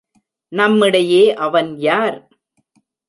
நம்மிடையே அவன் யார்?